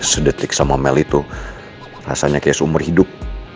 sedetik sama mel itu rasanya kayak seumur hidup